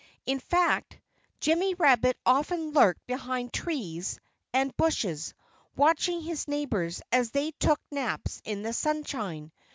In fact, Jimmy Rabbit often lurked behind trees and bushes, watching his neighbors as they took naps in the sunshine.